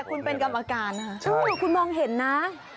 แต่คุณเป็นกรรมการฮะคุณมองเห็นนะใช่